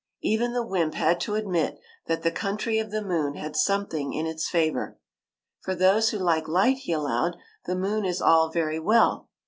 Even the wymp had to admit that the coun try of the moon had something in its favour. '' For those who like light," he allowed, *' the moon is all very well.